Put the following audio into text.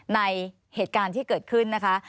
ในเหตุการณ์ที่เกิดขึ้นนะคะ